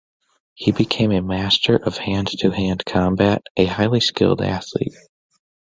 He became a master of hand-to-hand combat and a highly skilled athlete.